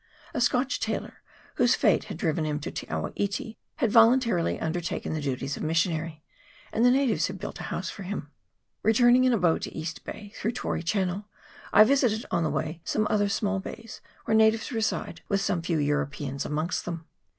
A Scotch tailor, whose fate had driven him to Te awa iti, had voluntarily undertaken the duties of missionary, and the natives had built a house for him. Returning in a boat to East Bay, through Tory Channel, I visited on the way some other small bays, where natives reside with some few Europeans amongst them.